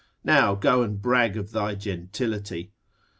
Now go and brag of thy gentility.